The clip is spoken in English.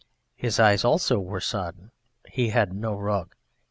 His eyes also were sodden. He had no rug.